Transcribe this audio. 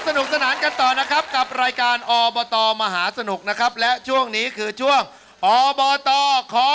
สนุกสนานกันต่อโลกอบฏอมาหาสนุกนะครับและจ้วงนี้คือช่วงอบฏอขอ